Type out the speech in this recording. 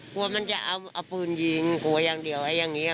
ก็ธรรมดาแหละมันรู้จักว่าอย่างไร